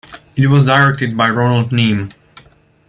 It was directed by Ronald Neame.